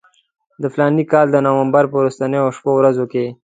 د فلاني کال د نومبر په وروستیو شپو ورځو کې.